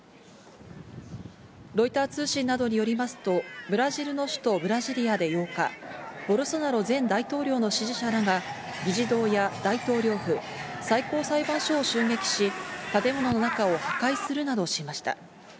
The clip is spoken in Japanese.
ロイター通信などによりますと、ブラジルの首都ブラジリアで８日、ボルソナロ前大統領の支持者らが議事堂や大統領府、最高裁判所を襲撃し、建物の中を破壊するなどしました。